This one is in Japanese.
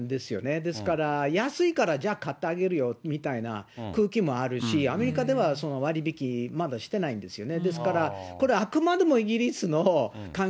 ですから、安いから、じゃあ、買ってあげるよみたいな空気もあるし、アメリカでは割引まだしてないんですよね。